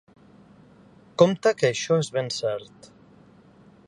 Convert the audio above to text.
Compta que això és ben cert.